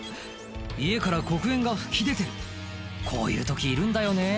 家から黒煙が噴き出てるこういう時いるんだよね